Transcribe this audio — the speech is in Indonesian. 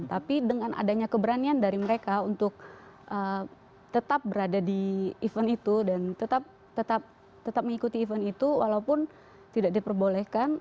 tapi dengan adanya keberanian dari mereka untuk tetap berada di event itu dan tetap mengikuti event itu walaupun tidak diperbolehkan